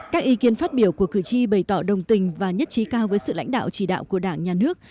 các ý kiến phát biểu của cử tri bày tỏ đồng tình và nhất trí cao với sự lãnh đạo chỉ đạo của đảng nhà nước